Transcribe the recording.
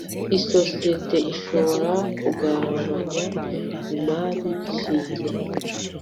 Isosiyete ishobora kugabanya imari shingiro